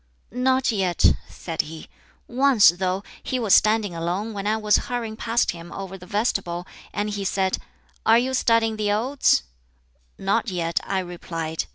"Not yet," said he. "Once, though, he was standing alone when I was hurrying past him over the vestibule, and he said, 'Are you studying the Odes?' 'Not yet,' I replied.